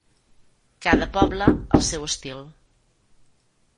Cada poble, el seu estil.